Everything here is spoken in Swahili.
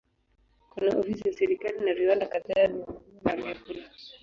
Kuna ofisi za serikali na viwanda kadhaa vya nguo na vyakula.